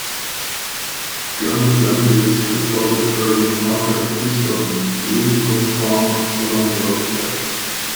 German Grenadiers reported burying Hawker east of Luisenhof Farm along the roadside.